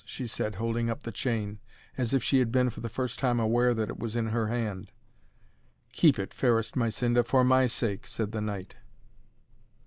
she said, holding up the chain as if she had been for the first time aware that it was in her hand. "Keep it, fairest Mysinda, for my sake," said the Knight.